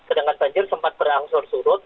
sedangkan banjir sempat berangsur surut